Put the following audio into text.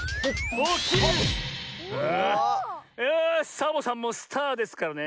サボさんもスターですからね